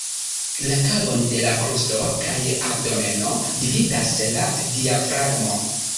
La kavon de la brusto kaj abdomeno dividas la diafragmo.